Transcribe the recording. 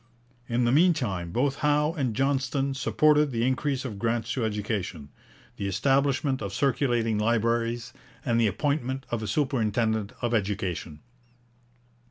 In the mean time both Howe and Johnston supported the increase of grants to education, the establishment of circulating libraries, and the appointment of a superintendent of education.